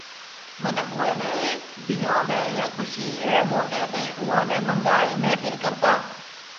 منک اوئي ني بيهون ۾ يا خوشي ري موقعي تي اوئي ني منگائي محفل ڪرتا